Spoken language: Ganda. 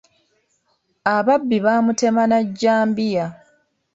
Ababbi baamutema na jjambiya.